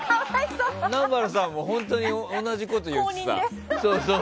南原さんが本当に同じことを言ってた。